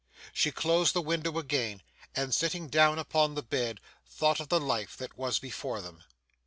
She closed the window again, and sitting down upon the bed, thought of the life that was before them.